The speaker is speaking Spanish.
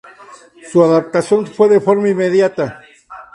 Su adaptación fue de forma inmediata.